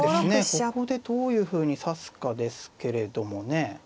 ここでどういうふうに指すかですけれどもね。